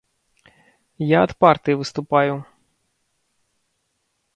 Я ад партыі выступаю.